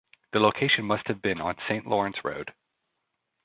The location must have been on Saint Lawrence Road.